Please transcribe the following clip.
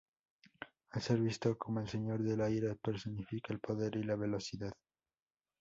Al ser visto como "el señor del aire" personifica el poder y la velocidad.